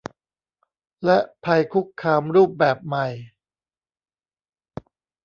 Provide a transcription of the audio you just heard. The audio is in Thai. และภัยคุกคามรูปแบบใหม่